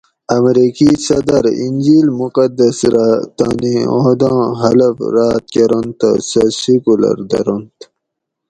"امریکی صدر انجیل مقدس رہ تانی عہداں حلف راۤت کرنت تہ سہ ""سیکولر"" درنت"